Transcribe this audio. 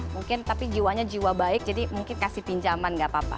mungkin tapi jiwanya jiwa baik jadi mungkin kasih pinjaman gak apa apa